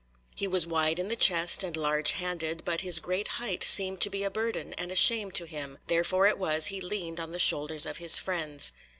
He was wide in the chest and large handed, but his great height seemed to be a burden and a shame to him, therefore it was he leaned on the shoulders of his friends.